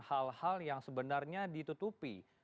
hal hal yang sebenarnya ditutupi